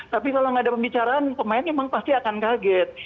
tapi kalau nggak ada pembicaraan pemain memang pasti akan kaget